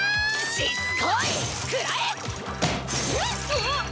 うわっ！